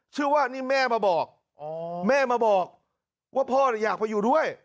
ชื่อว่านี่แม่มาบอกแม่มาบอกว่าพ่ออยากไปอยู่ด้วย